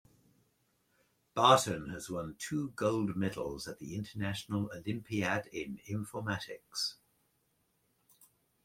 Barton has won two gold medals at the International Olympiad in Informatics.